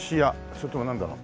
それともなんだろう？